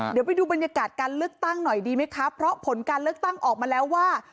เดี๋ยวไปดูบรรยากาศการเลือกตั้งหน่อยดีไหมคะเพราะผลการเลือกตั้งออกมาแล้วว่า